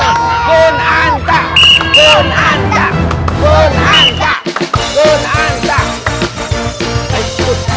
ancah kek ancah kek ancah kek ancah